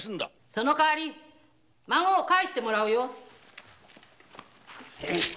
その代わり孫を返してもらうよ。